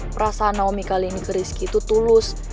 perasaan naomi kali ini ke rizky itu tulus